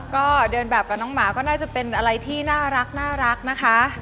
ก็เดินแบบกับน้องหมาก็น่าจะเป็นอะไรที่น่ารักนะคะ